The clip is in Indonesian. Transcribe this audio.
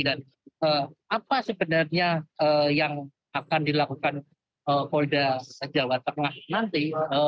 dan apa sebenarnya yang akan dilakukan polda jawa tengah nanti